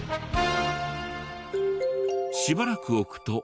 しばらく置くと。